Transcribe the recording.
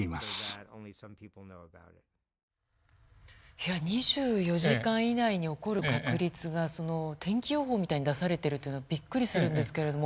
いや２４時間以内に起こる確率がその天気予報みたいに出されてるというのはびっくりするんですけれども。